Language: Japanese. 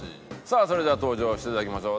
それでは登場して頂きましょう。